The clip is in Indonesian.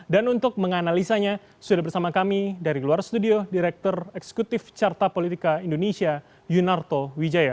dan untuk menganalisanya sudah bersama kami dari luar studio direktur eksekutif carta politika indonesia yunarto wijaya